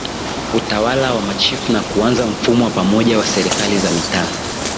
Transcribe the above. Utawala wa Machifu na kuanza Mfumo wa pamoja wa Serikali za Mitaa